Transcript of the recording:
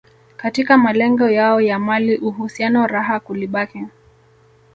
katika malengo yao ya mali uhusiano raha kulibaki